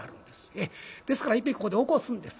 ですからいっぺんここで起こすんです。